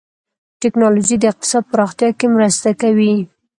ټکنالوجي د اقتصاد پراختیا کې مرسته کوي.